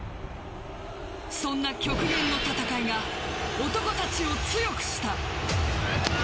そんな極限の戦いが男たちを強くした。